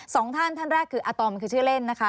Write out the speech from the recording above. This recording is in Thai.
สองท่านท่านแรกคืออาตอมคือชื่อเล่นนะคะ